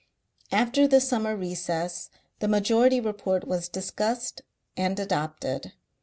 After the Summer recess the Majority Report was discussed and adopted.